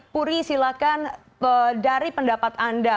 puri silakan dari pendapat anda